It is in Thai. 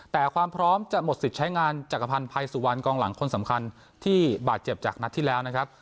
แต่ความพร้อมจะหมดสิทธิ์ใช้งานจักรพันธ์ภัยสุวรรณกองหลังคนสำคัญที่บาดเจ็บจากนัดที่แล้วนะครับ